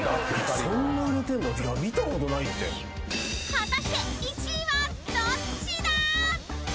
［果たして１位はどっちだ？］